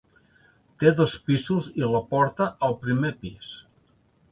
Té dos pisos i la porta al primer pis.